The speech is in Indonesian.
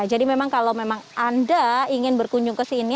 jadi memang kalau memang anda ingin berkunjung ke sini